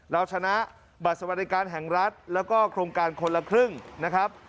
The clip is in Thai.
เราชนะบัตรสวัสดิการแห่งรัฐแล้วก็โครงการคนละครึ่งนะครับ